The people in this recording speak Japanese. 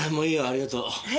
ありがとう。